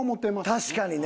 確かにね。